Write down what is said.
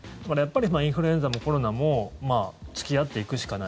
インフルエンザもコロナも付き合っていくしかない。